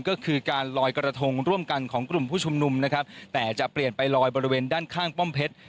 ก็คือการลอยกระทงร่วมกันของกลุ่มผู้ชุมนุมนะครับแต่จะเปลี่ยนไปลอยบริเวณด้านข้างป้อมเพชร